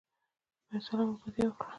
فیصله مو په دې وکړه.